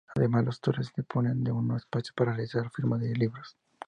Además, los autores disponen de un espacio para realizar firma de libros.